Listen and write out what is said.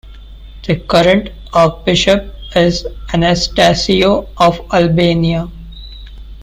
The current Archbishop is Anastasios of Albania.